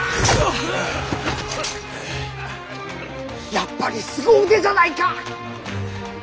やっぱりすご腕じゃないか！